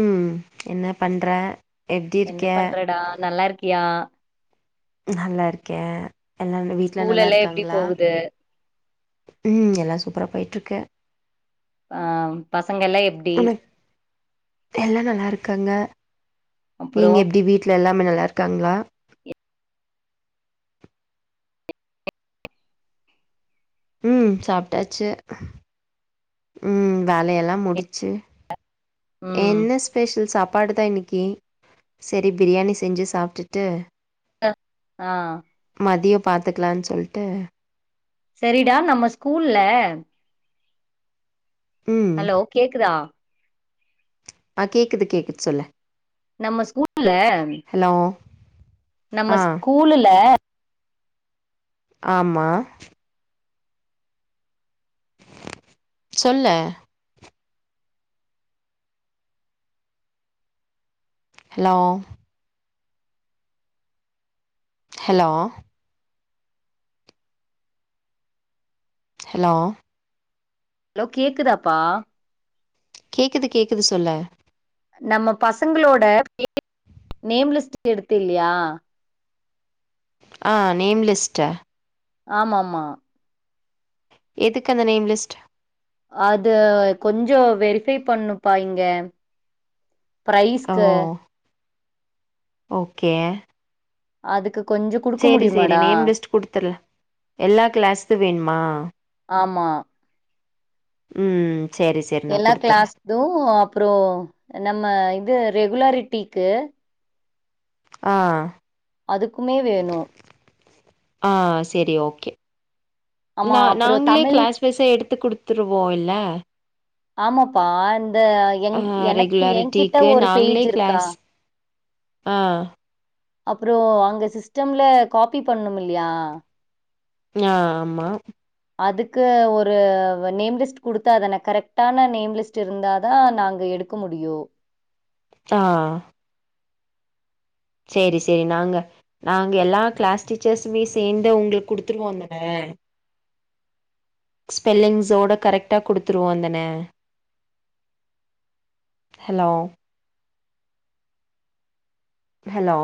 ம் என்ன பண்ற எப்டி என்ன இருக்க பண்றடா நல்லா இருக்கியா நல்லா இருக்கேன் எல்லா என்ன வீட்ல ஸ்கூல் நல்லா எல்லா எப்டி இருக்காங்களா போகுது ம் எல்லாம் சூப்பரா போய்ட்டுருக்கு அ பசங்க எல்லாம் எப்டி உனக் எல்லாம் நல்லா இருக்காங்க அப்புறோ நீங்க எப்டி வீட் ல எல்லாமே நல்லா இருக்காங்களா ம் சாப்ட்டாச்சு ம் வேலயெல்லாம் முடிச்சு ம் என்ன ஸ்பெ ஷல் சாப்பாடு தா இன்னிக்கு சரி பிரியாணி செஞ்சு சாப்ட்டுட்டு அஆன் மதியம் பாத்துக்கலானு சொல்ட்டு சரிடா நம்ம ஸ்கூல்ல ம் ஹலோ கேக்குதா ஆ கேக்குது கேக்குது சொல்லு நம்ம ஸ்கூல்ல ஹலோ நம்ம ஆ ஸ்கூல்ல ஆமா சொல்லு ஹலோ ஹலோ ஹலோ ஹலோ கேக்குதாப்பா கேக்குது கேட்குது சொல்லு நம்ம பசங்களோட நேம்லிஸ்ட் எடுத்து இல்லயா ஆ நேம் லிஸ்ட்டு ஆமா ஆமா எதுக்கு அந்த நேம் லிஸ்ட் அது கொஞ்சோ வெரிஃபை பண்ணுப்பா இங்க ஓ பிரைஸ்க்கு ஓகே அதுக்கு கொஞ்சோ குடுக்க சேரி சேரி முடியுமாடா நேம்லிஸ்ட் குடுத்துரு எல்லா கிளாஸ்த்தும் வேணுமா ஆமா ம் செரி செ எல்லா கிளாஸ்தும் அப்றோ நம்ம இது ரெகுலாரிட்டிக்கு ஆ அதுக்குமே வேணும் ஆ சேரி ஓகே ஆமா நா அப்புறோ நாங்களே தமிழ் கிளாஸ் சாக எடுத்து குடுத்துருவோ இல்ல ஆமாப்பா இந்த என் ஆ எனக்கு என்கிட்ட ரெகுலாரிட்டிக்கு ஒரு நாங்களே பேஜ் இருக்கா கிளாஸ் ஆ அப்றோ அங்க சிஸ்டம்ல காப்பி பண்ணுமில்லயா ஆ ஆமா அதுக்கு ஒரு நேம் லிஸ்ட் குடுத்தாதான கரெக்டான நேம் லிஸ்ட் இருந்தாதா நாங்க எடுக் க முடியு ஆ சேரி சேரி நாங்க நாங்க எல்லா கிளாஸ் டீச்சர்ஸுமே சேந்து உங்களுக்கு குடுத்துருவோந்தான ஸ்பெல்லிங்ஸோட கரெக்டா குடுத்துருவோதான ஹலோ ஹலோ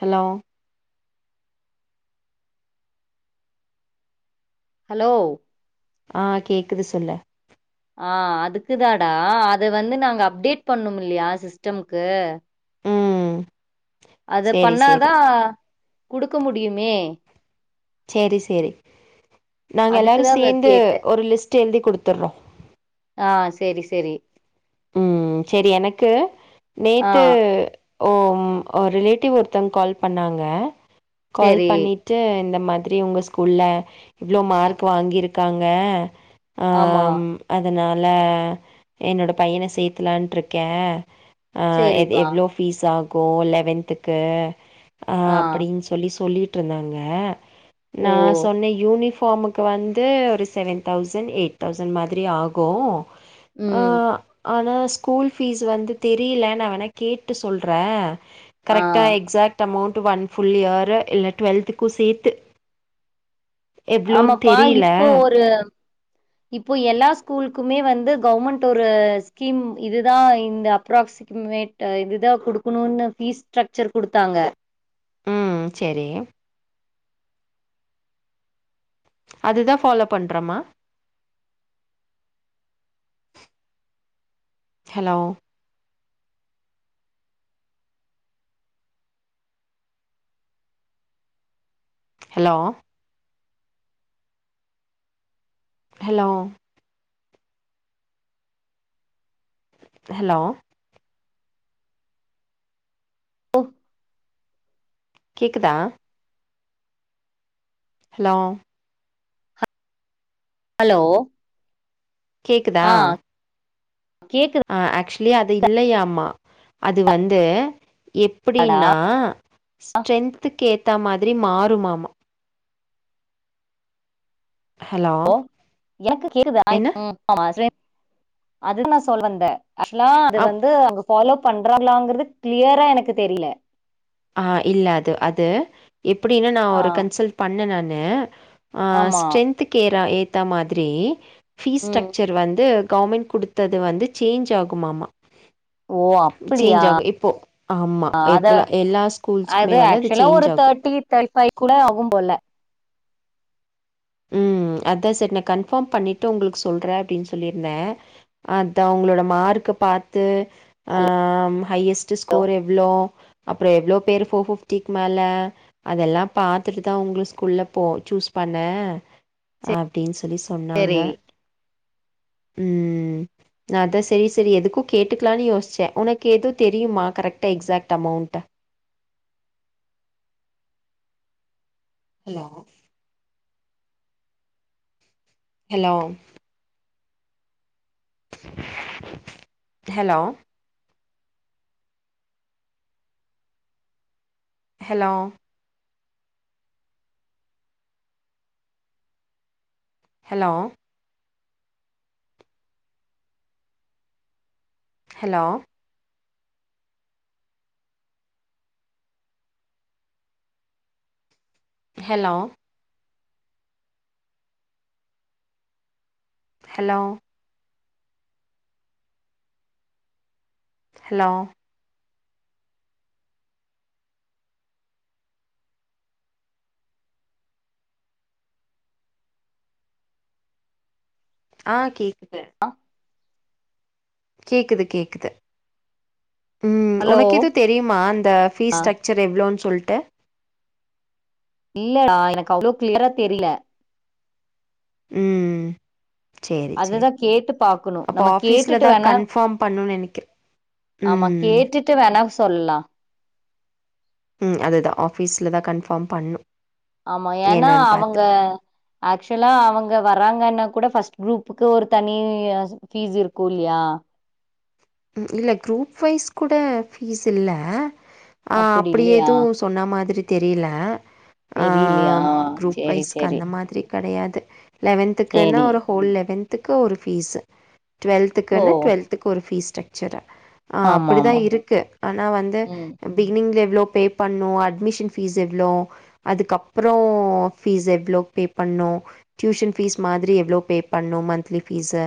ஹலோ ஹலோ ஆ கேக்குது சொல்லு ஆ அதுக்குதாடா அது வந்து நாங்க அப்டேட் பண்ணுமில்லையா சிஸ்டம்க்கு ம் அத சேரி பண்ணாதா சேரி குடுக்க முடியுமே சேரி சேரி நாங்க எல்லாரு அதுக்குதா வ சேந்து கேட் ஒரு லிஸ்ட் எழுதி குடுத்தர்றோ ஆ சேரி சேரி ம் செரி எனக்கு ஆ நேத்து ஓ ம் ரிலேட்டிவ் ஒருத்தங்க கால் பண்ணாங்க கால் சரி. பண்ணி ட்டு இந்த மாதிரி உங்க ஸ்கூல்ல இவ்ளோ மார்க் வாங்கிருக்காங்க ஆ ஆமா. அம் அதனால என்னோட பையன சேத்தலான்ட்டு இருக்கே ஆ எத் சரிப்பா. எவ்ளோ ஃபீஸ் ஆகு லெவன்துக்கு ஆ அப்பிடின் சொ சொல்லி சொல்லிட்ருந்தாங்க ஓ! நா சொன்னே யூனிஃபார்முக்கு வந்து ஒரு செவன் தௌசண்ட் எயிட் தௌசண்ட் மாதிரி ஆகு ஆ ம். ஆனா ஸ்கூல் ஃபீஸ்ஸு வந்து தெரியில நா வேணா கேட்டு சொல்ற ஆ. கரெக்டா exact amount one full year இல்ல டுவெல்த்துக்கு சேத்து எவ்ளோன்னு ஆமாப்பா தெரியல இப்போ ஒரு இப்போ எல்லா ஸ்கூலுக்குமே வந்து கவர்மெண்ட் ஒரு ஸ்கீம் இதுதா இந்த அப்ராக்ஸ் மேட்டா இதுதா குடுக்கணுன்னு ஃபீஸ் ஸ்ட்ரக்சர் குடுத்தாங்க ம் செரி அதுதா ஃபாலோ பண்றமா ஹலோ ஹலோ ஹலோ ஹலோ கேக்குதா ஹலோ ஹலோ கேக்குதா ஆ கேக்குதாடா? அ ஆக்சுவலி அது இல்லயாமா அது வந்து எப்டின்னா ஸ்ட்ரென்த்துக்கு ஏத்த மாதிரி மாறுமாமா ஹலோ [inaudible] என்ன அதுதா நா சொல் வந்த ஆக்சுவலா அது ஆ வந்து அங்க ஃபாலோ பண்றாங்களலாங்கறது க்ளியரா எனக்கு தெரியில ஆ ஆ இல்ல அது அது எப்டின்னா நா ஆ. ஒரு கன்சல்ட் பண்ணே நானு ஆ ஆமா. ஸ்ட்ரென்த்துக்கேரா ஏத்த மாத்ரி ஃபீஸ் ம். ஸ்ட்ரக்சர் வந்து கவர்மெண்ட் குடுத்தது வந்து சேஞ்ச் ஆகுமாமா ஓ! அப்படியா? சேஞ்ச் ஆகு இப்போ ஆமா அத இப்வுல எல்லா ஸ்கூல்ஸ்க்குமே வந்து அது ஆக்சுவலா சேஞ்ச் ஒரு ஆகு [unintelligible] ஃபைவ் கூட ஆகு போல ம் அதா செரி நா கன்ஃபார்ம் பண்ணிட்டு உங்ளுக்கு சொல்றே அப்டினு சொல்லியிருந்தே அது அவுங்ளோட மார்க்க பாத்து ஆ ஹையஸ்ட் ஸ்கோர் எவ்ளோ அப்றோ எவ்ளோ பேரு போர்ஃபிப்டிக்கு மேல அதெல்லா பாத்துட்டுதா உங்க ஸ்கூல்ல போ சூஸ் பண்ணே அப்டின் சொல்லி சொன்னாங்க சேரி ம் நா அதா செரி செரி எதுக்கு கேட்டுக்கலானு யோசிச்சே உனக்கு எது தெரியுமா கரெக்டா எக்ஸாக்ட் அமௌண்ட் இல்ல hello hello hello hello hello hello hello hello ஆ கேக் அ கேக்குது கேக்குது ம் ஹலோ உனக் எது தெரியுமா அந்த ஃபீஸ் ஸ்டக் சர் எவ்ளோன் சொல்ட்டு இல்லடா எனக் அவ்ளோ க்ளியரா தெரில ம் செரி அதுதா செரி கேட்டு பாக்கணு அப்ப நம்ம கேட்டுட்டு ஆஃபீஸ்லதா வேணா கன்ஃபார்ம் பண்ணு நினைக்கிறே ஆமா கேட்டுட்டு வேணா சொல்லலா ம் அதுதா ஆஃபீஸ்லதா கன்ஃபார்ம் பண்ணு ஆமா ஏனா என்னன்னு பாத்து அவங்க ஆக்சுவலா அவங்க வராங்கனா கூட ஃபர்ஸ்ட் குரூப்புக்கு ஒரு தனி ஃபீஸ் இருக்கு இல்லியா இல்ல குரூப் வைஸ் கூட ஃபீஸ் இல்ல அப்படி அப்டி இல்லையா எதும் சொ சொன்னா மாதிரி தெரியல ஆ தெரிலையா குரூப் சேரி வைஸ்க்கு சேரி அந்த மாதிரி கெடயாது லெவன்த்துக்குனா சேரி ஒரு ஹோல் லெவன்த்துக்கு ஒரு ஃபீஸூ ஓ டு்வெல்த்துக்குனு டு்வெல்த்துக்கு ஒரு ஃபீஸ் ஸ்டரக்சரு ஆ ஆமா அப்டிதா ஆமா இருக்கு ஆனா வந்து ம் பிகினிங்ல எவ்ளோ பே பண்ணு அட்மிஷன் ஃபீஸ் எவ்ளோ அதுக்கப்புறொ ஃபீஸ் எவ்ளோ பே பண்ணு டியூஷன் ஃபீஸ் மாதிரி எவ்ளோ பே பண்ணு மந்த்லி ஃபீஸு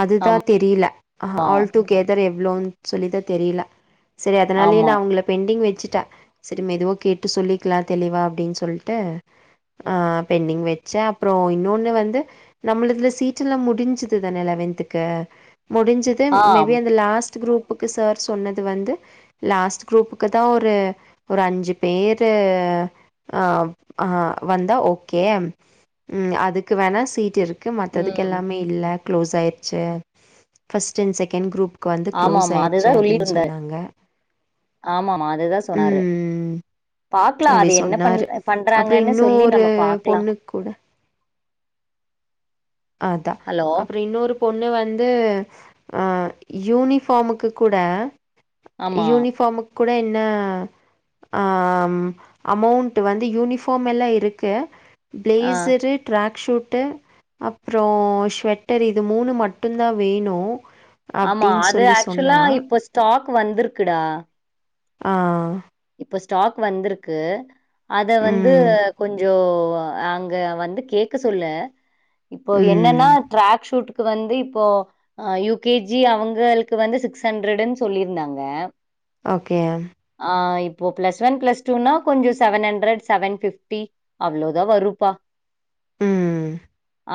அதுதா ஆமா தெரியல ஹ ஆல் டு கெதர் எவ்ளோன் சொல்லிதா தெரியல சரி அதனாலயே ஆமா நா உங்கள பென்டிங் வெச்சுட்ட சரி மெதுவா கேட்டு சொல்லிக்லா தெளிவா அப்டின் சொல்ட்டு ஆ ம் பென்டிங் வெச் ச்ச அப்றோ இன்னொன்னு வந்து நம்ளதுல சீட்லா முடிஞ்சுது தானே லெவன்த்துக்கு முடிஞ்சது ஆ மே பி அந்த லாஸ்ட் குரூப்புக்கு சார் சொன்னது வந்து லாஸ்ட் குரூப்க்குதா ஒரு ஒரு அஞ்சு பேரு ஆ ஆ வந்தா ஓகே ம் அதுக்கு வேணா சீட் இருக் மத்ததுக் ம் எல்லாமே இல்ல க்ளோஸ் ஆயிருச்சு ஃபஸ்ட் அண்ட் செகண்ட் க்ரூப் கு வந்து ஆமா க்ளோஸ் ஆமா ஆயிடுச்சு அதுதா அப்டின்னு சொல்லிருந்தா சொன்னாங்க ஆமாமா அதுதா சொன்னாரு ம் பாக்கலா அப்டி அது என்ன பண் சொன்னாரு அப்புறம் பண்றாங்கன்னு இன்னும் சொல்லி ஒரு நம்ம பாக்கலா பொண்ணுக்கு கூட அதா ஹலோ? அப்பறோ இன்னொரு பொண்ணு வந்து ஆ யூனிஃபாமுக்கு கூட ஆமா. யூனிஃபாமுக் கூட என்ன ஆ அமௌண்ட்டு வந்து யூனிஃபார்ம் மேல்லா இருக்கு ஆ. பிளேசரு ட்ராக்க்ஷூட்டு அப்பறோ ஷவெட்டர் இது மூணு மட்டுதா வேணு ஆமா அது ஆக்சுவலா இப்ப ஸ்டாக் வந்துருக்குடா ஆ இப்போ ஸ்டாக் வந்திருக்கு அத வந்து ம். கொஞ்ச அங் ந்த வந்து கேட்க சொல்லு இப்போ என்னன்னா ம். டிராக் ஷூட்டு்க் வந்து இப்போ ஆ யு கே ஜி அவங்களுக்கு வந்து சிக்ஸ் ஹண்ட்ரடுன்னு சொல்லியிருந்தாங்க ஓகே ஆ இப்போ பிளஸ் ஒன் பிளஸ் டூனா கொஞ்ச செவன் ஹண்ட்ரட் செவன் ஃபிப்டி அவ்ளோதா வருப்பா ம்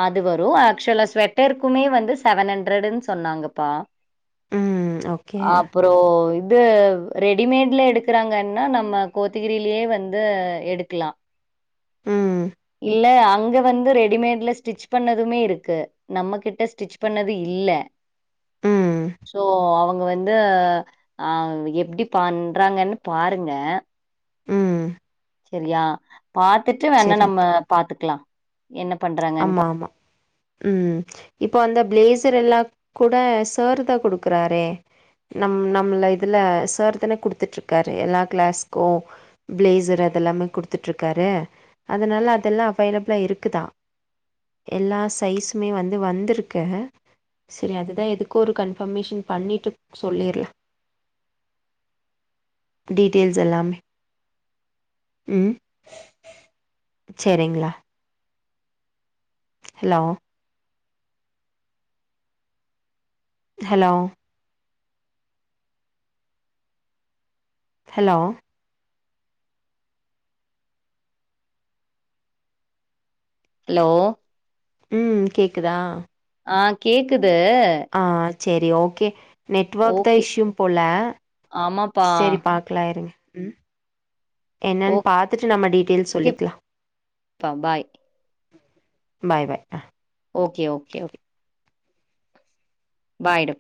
அது வரு ஆக்சுவல ஸ்வெட்டருக்குமே வந்து செவன் ஹண்ட்ரடுன்னு சொன்னாங்கப்பா ம். ஓகே அப்பரோ இது ரெடிமேட்ல எடுக்கறாங்க அந் என்ன நம்ம கோத்தகிரிலயே வந்து எடுக்கலா ம் இல்ல அங்க வந்து ரெடிமேட்ல ஸ்டிச் பண்ணதுமே இருக்கு நம்ம கிட்ட ஸ்டிச் பண்ணது இல்லே ம். சோ அவங்க வந்து வந்து ஆ எப்புடி பண்றாங்கன்னு பாருங்க ம். செரியா பாத்துட்டு வேணா சரி நம்ம அதான். பாத்துக்கலா ஆமா ஆமா ம் இப்போ அந்த பிளேசர் எல்லா கூட சாரு தா குடுக்குறாரே நம் நம்மள இதுல சார் தானே குடுத்துட்டு இருக்காரு எல்லா கிளாஸ்கு பிளேசர் அதெல்லாமே குடுத்துட்டுருக்காரு அதனாலே அதெல்லா அவைலபிளா இருக்குதா எல்லா சைஸுமே வந்து வந்திருக்கு சேரி அதுதா எதுக்கோ ஒரு கன்பர்மேஷன் பண்ணிட்டு சொல்லிடல டீட்டெயில்ஸ் எல்லாமே ம் செரிங்களா ஹலோ ஹலோ ஹலோ ஹலோ ம் கேக்குதா ஆ கேக்குது ஆ சேரி ஓகே நெட்வொர்க் தா ஓகே. இஷ்யூு போல ஆமாப்பா. சேரி பா ல்லாயிருங்க ம் என்னன்னு பாத்துட்டு நம்ம டீட்டெயில்ஸ் சொல்லிக்கலா பப்பாய் bye bye okay okay okay bye டா